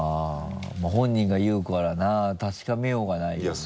まぁ本人が言うからな確かめようがないよね。